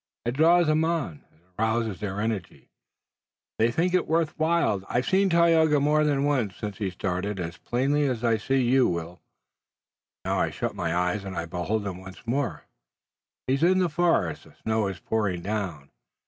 It draws them on, it arouses their energy, they think it worth while. I've seen Tayoga more than once since he started, as plainly as I see you, Will. Now, I shut my eyes and I behold him once more. He's in the forest. The snow is pouring down.